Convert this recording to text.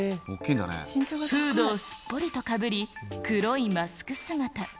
フードをすっぽりとかぶり、黒いマスク姿。